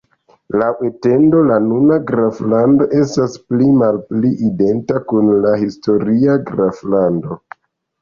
Laŭ etendo la nuna graflando estas pli malpli identa kun la historia graflando.